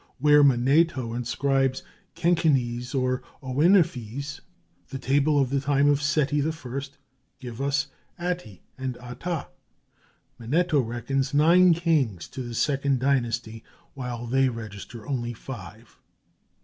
Where Manetho inscribes Kenkenes and Ouenephes, the tables of the time of Seti I give us Ati and Ata; Manetho reckons nine kings to the II dynasty, while they register only five.